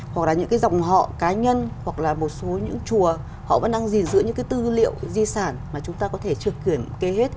hoặc là những cái dòng họ cá nhân hoặc là một số những chùa họ vẫn đang gìn giữ những cái tư liệu di sản mà chúng ta có thể chưa kiểm kê hết